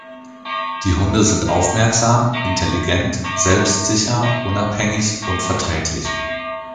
Die Hunde sind aufmerksam, intelligent, selbstsicher, unabhängig und verträglich.